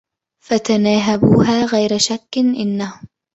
فتناهبوها غيرَ شكّ إنهم